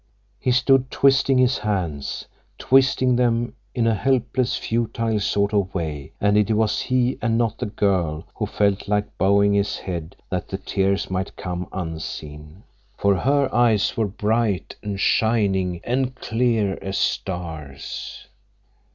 _" He stood twisting his hands, twisting them in a helpless, futile sort of way, and it was he, and not the girl, who felt like bowing his head that the tears might come unseen. For her eyes were bright and shining and clear as stars.